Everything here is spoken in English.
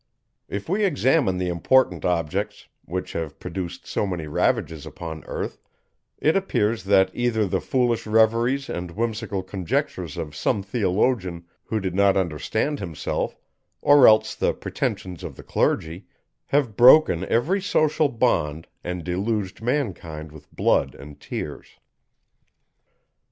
If we examine the important objects, which have produced so many ravages upon earth, it appears, that either the foolish reveries and whimsical conjectures of some theologian who did not understand himself, or else the pretensions of the clergy, have broken every social bond and deluged mankind with blood and tears.